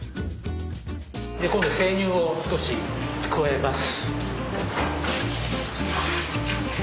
で今度生乳を少し加えます。